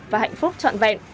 và hạnh phúc trọn vẹn